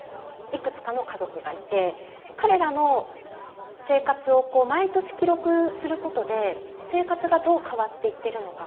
いくつかの家族がいて彼らの生活を毎年記録することで生活がどう変わっていってるのか。